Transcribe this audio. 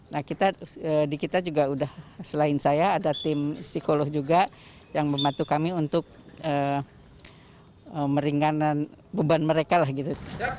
nah kita di kita juga udah selain saya ada tim psikolog juga yang membantu kami untuk meringankan beban mereka lah gitu